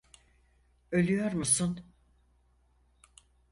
Ölüyor musun?